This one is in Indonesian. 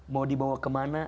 mau dibawa kemana